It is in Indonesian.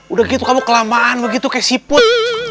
udah gitu kamu kelamaan begitu kayak siput